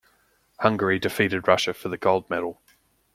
Hungary defeated Russia for the gold medal.